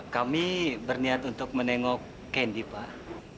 kami berniat untuk menengok kendi pak